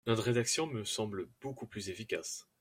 Notre rédaction me semble beaucoup plus efficace.